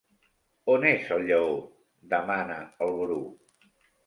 On és el lleó? —demana el Bru.